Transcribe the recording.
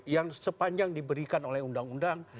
yang sepanjang diberikan oleh undang undang